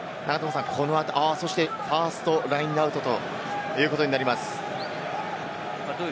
ファーストラインアウトとなります。